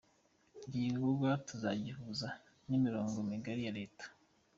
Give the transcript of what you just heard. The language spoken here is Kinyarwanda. Iki gikorwa tuzagihuza n’imirongo migari ya leta.